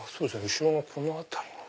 後ろのこの辺りの。